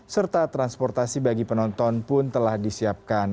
serta transportasi bagi penonton pun telah disiapkan